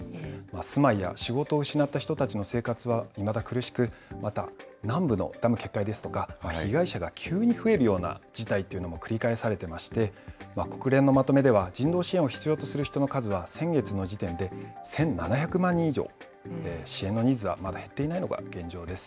住まいや仕事を失った人たちの生活はいまだ苦しく、また南部のダム決壊ですとか、被害者が急に増えるような事態というのも繰り返されていまして、国連のまとめでは、人道支援を必要とする人の数は先月の時点で１７００万人以上、支援のニーズはまだ減っていないのが現状です。